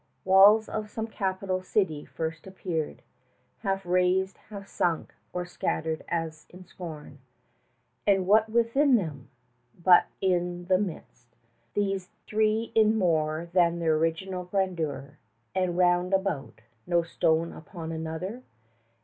Walls of some capital city first appeared, Half razed, half sunk, or scattered as in scorn; And what within them? What but in the midst These three in more than their original grandeur, And, round about, no stone upon another?